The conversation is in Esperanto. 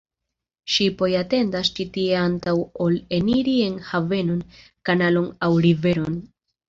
Ŝipoj atendas ĉi tie antaŭ ol eniri en havenon, kanalon aŭ riveron.